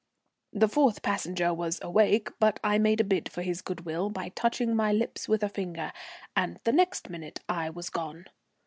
The fourth passenger was awake, but I made a bid for his good will by touching my lips with a finger, and the next minute I was gone.